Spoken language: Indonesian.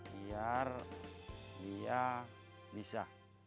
biar dia bisa